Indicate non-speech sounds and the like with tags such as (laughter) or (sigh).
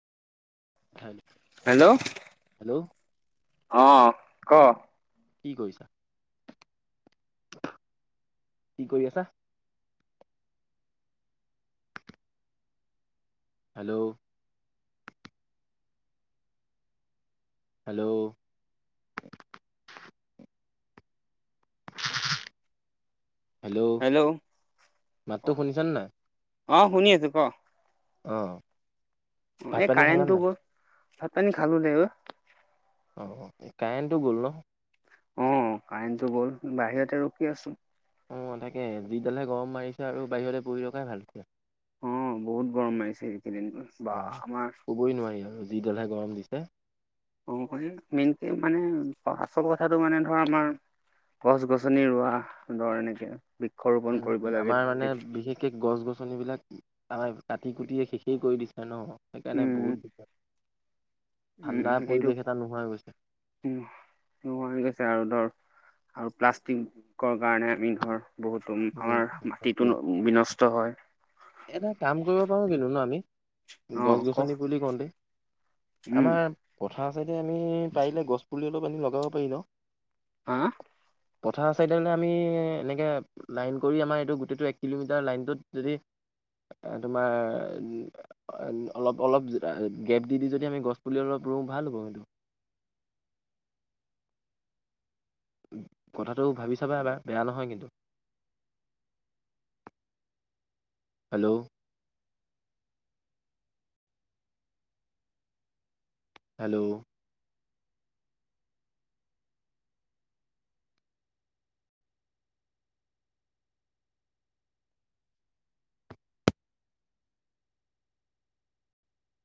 Hello অ ক কি কৰিছা, কি কৰি আছা? হেল্ল' হেল্ল' হেল্ল' মাটতো শুনিছা নাই। অ শুনি আছো ক, অ অ ভাত এই পানী খালা কাৰেণ্টটো নাই গল ভাত পানী খালোঁ দেই অই অ কাৰেন্ট টো গ'ল ন। অ কাৰেণ্টটো গ'ল বাহিৰতে ৰকি আছো (unintelligible) থাকে যিডালহে গৰম মাৰিছে আৰু বাহিৰতে পৰি ৰখাই ভাল হৈছে অ বহুত গৰম মাৰিছে এইকেইদিন বা বাহ, আমাৰ ক'বই নোৱাৰি আৰু যিডালহে গৰম দিছে অ মেইনক মানে আচল কথাটো মানে ধৰা আমাৰ গছ গছনি ৰোৱা দৰ এনেকে বৃক্ষৰোপন কৰিব উ লাগে আমাৰ মানে বিশেষকে গছ গছনিবিলাক আমাই কাটি কুটিয়ে শেষেই কৰি দিছে ন সেইকাৰণে উম বহুত উম ঠাণ্ডা সেইটো পৰিৱেশ এটা নোহোৱা হৈ গৈছে হৈ গৈছে আৰু ধৰ আৰু প্লাষ্টিক ক কাৰণে আমি ধৰ বহুতো উম আমাৰ তাকে মাটিটো বিনষ্ট হয় এটা কাম কৰিব পাৰো কিন্তু ন আমি অ গছ ক গছনি বুলি কওঁ দ উম আমাৰ খাঁ চাইডে আমি পাৰিলে গছ পুলি অলপ আনি লগাব পাৰি নওঁ হা পথাৰ চাইড মানে আমি এনেকে লাইন কৰি আমাৰ এইটো গোটেইটো এক কিলোমিটাৰ লাইনটোত যদি (unintelligible) (inaudible) তোমাৰ অলপ অলপ গেপ দি দি যদি আমি গছপুলি অলপ ৰুওঁ ভাল (unintelligible) (inaudible) কথাটো ভাবি চাবা এবাৰ বেয়া নহয় কিন্তু হেল্ল' হেল্ল'